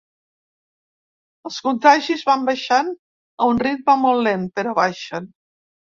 Els contagis van baixant, a un ritme molt lent, però baixen.